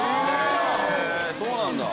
へえそうなんだ。